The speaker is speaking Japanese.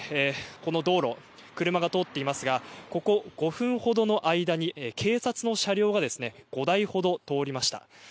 この道路車が通っていますがここ５分ほどの間に警察の車両がですね５台ほど通りました。